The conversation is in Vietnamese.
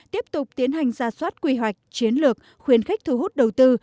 tiếp tục tiến hành ra soát quy hoạch chiến lược khuyến khích thu hút đầu tư